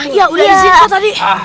iya udah izin pak tadi